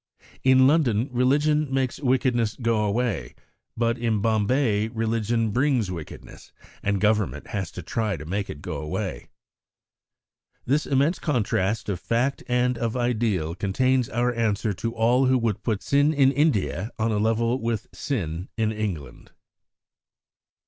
... In London religion makes wickedness go away; but in Bombay religion brings wickedness, and Government has to try to make it go away." This immense contrast of fact and of ideal contains our answer to all who would put sin in India on a level with sin in England.